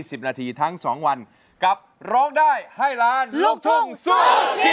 สนุนโดยอีซูซูดีแม็กซู